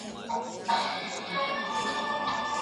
شګوفې مو لکه اوښکي د خوښیو